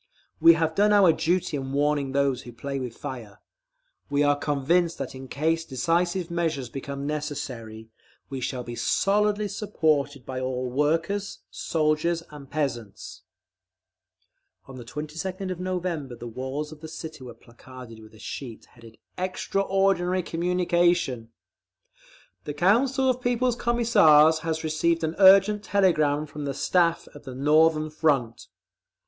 We have done our duty in warning those who play with fire. We are convinced that in case decisive measures become necessary, we shall be solidly supported by all workers, soldiers, and peasants. On the 22d of November the walls of the city were placarded with a sheet headed "EXTRAORDINARY COMMUNICATION": The Council of People's Commissars has received an urgent telegram from the Staff of the Northern Front….